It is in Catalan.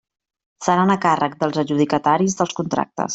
Seran a càrrec dels adjudicataris dels contractes.